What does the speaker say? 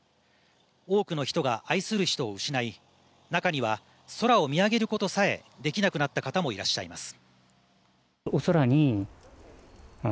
多くの人が愛する人を失い中には空を見上げることさえできなくなった方もいらっしゃいます。